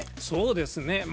そうですね。